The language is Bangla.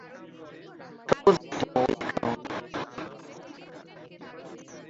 সবুজ একটি মৌলিক রঙ।